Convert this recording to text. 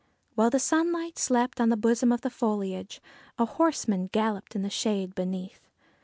While the sunlight slept on the bosom of the foliage, a horseman galloped in the shade beneath.